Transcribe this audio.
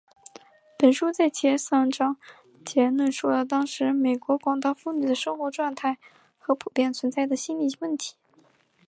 本书在前三个章节论述了当时美国广大妇女的生活状态和普遍存在的心理问题。